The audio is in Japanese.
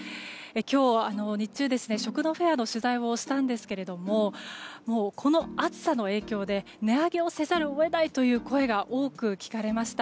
今日、日中は食のフェアの取材をしましたがこの暑さの影響で値上げをせざるを得ないという声が多く聞かれました。